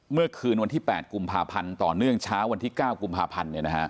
เมื่อคืนวันที่๘กุมภาพันธ์ต่อเนื่องเช้าวันที่๙กุมภาพันธ์